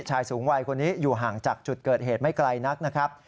ชายสูงวัยคนนี้อยู่ห่างจากจุดเกิดเหตุไม่ไกลนักนะครับ